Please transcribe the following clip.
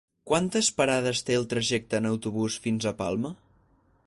Quantes parades té el trajecte en autobús fins a Palma?